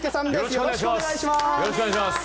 よろしくお願いします。